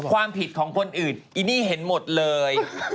ความผิดของคนอื่นอีนี่เห็นหมดเลย